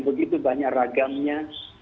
begitu banyak ragamnya